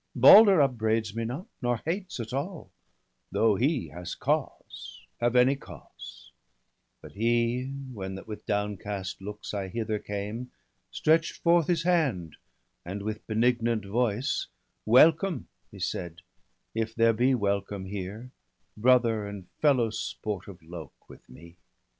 Balder upbraids me not, nor hates at all, Though he has cause, have any cause ; but he, When that with downcast looks I hither came, Stretch'd forth his hand, and with benignant voice, Welcome, he said, t/ there be welcome here, Brother and fellow sport of Lok with me